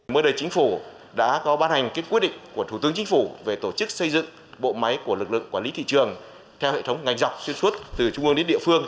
mới đây chính phủ đã có ban hành quyết định của thủ tướng chính phủ về tổ chức xây dựng bộ máy của lực lượng quản lý thị trường theo hệ thống ngành dọc xuyên suốt từ trung ương đến địa phương